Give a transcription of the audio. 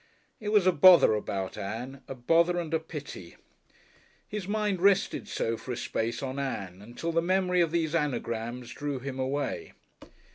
It was a bother about Ann, a bother and a pity. His mind rested so for a space on Ann until the memory of these Anagrams drew him away.